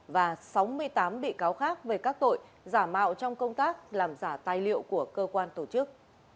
và sáu mươi tám bị cáo khác về các tội giả mạo trong công tác làm giả tài liệu của cơ quan tổ chức